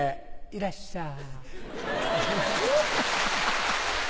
いらっしゃい。